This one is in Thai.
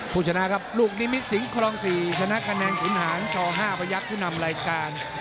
ผู้ชนะครับลูกมิ้มิตสิงค์ครองสี่ชนะกระแนนขุนหางช่อ๕พยักษณ์ที่นำรายการ